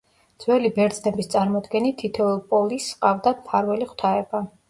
ძველი ბერძნების წარმოდგენით თითოეულ პოლისს ჰყავდა მფარველი ღვთაება.